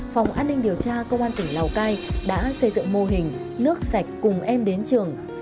phòng an ninh điều tra công an tỉnh lào cai đã xây dựng mô hình nước sạch cùng em đến trường